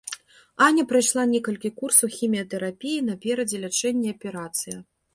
Аня прайшла некалькі курсаў хіміятэрапіі, наперадзе лячэнне і аперацыя.